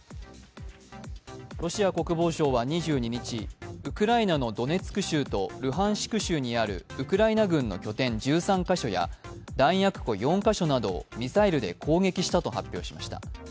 ロシア国防省は２２日、ウクライナのドネツク州とルハンシク州にあるウクライナ軍の拠点１３カ所や弾薬庫４カ所などをミサイルで攻撃したと発表しました。